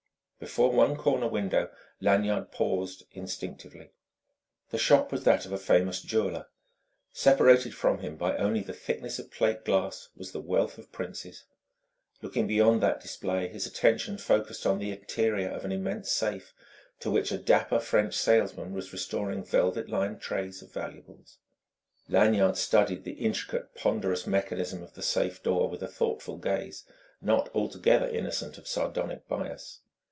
Before one corner window, Lanyard paused instinctively. The shop was that of a famous jeweller. Separated from him by only the thickness of plate glass was the wealth of princes. Looking beyond that display, his attention focussed on the interior of an immense safe, to which a dapper French salesman was restoring velvet lined trays of valuables. Lanyard studied the intricate, ponderous mechanism of the safe door with a thoughtful gaze not altogether innocent of sardonic bias.